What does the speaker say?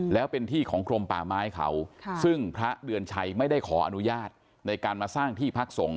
แล้วเป็นที่ของกรมป่าไม้เขาซึ่งพระเดือนชัยไม่ได้ขออนุญาตในการมาสร้างที่พักสงฆ